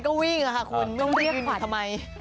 จริงค่ะคุณไม่ต้องเรียกทำไม